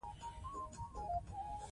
څېړونکي په اړه ډېرې مطالعاتو ته اړتیا لري.